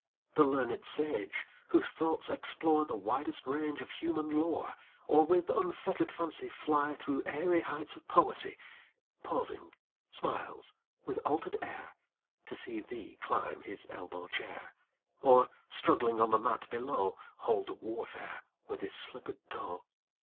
The learned sage, whose thoughts explore The widest range of human lore, Or with unfettered fancy fly Through airy heights of poesy, Pausing smiles with altered air To see thee climb his elbow chair, Or, struggling on the mat below, Hold warfare with his slippered toe.